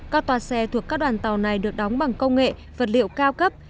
các toa xe thuộc các đoàn tàu này được đóng bằng công nghệ vật liệu cao cấp